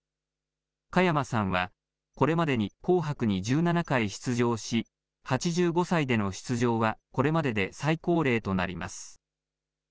加山さんは、これまでに紅白に１７回出場し、８５歳での出場はこれまでで最高齢となります。